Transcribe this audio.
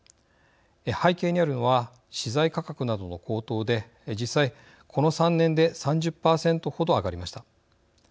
背景にあるのは資材価格などの高騰で実際、この３年で３０％ほど上がりました。